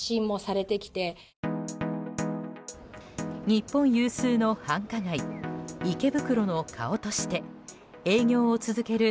日本有数の繁華街池袋の顔として営業を続ける